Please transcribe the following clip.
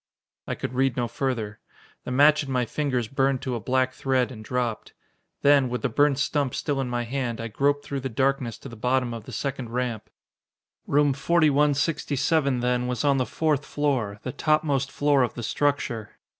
I could read no further. The match in my fingers burned to a black thread and dropped. Then, with the burnt stump still in my hand, I groped through the darkness to the bottom of the second ramp. Room 4167, then, was on the fourth floor the topmost floor of the structure.